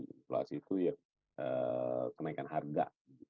inflasi itu ya kenaikan harga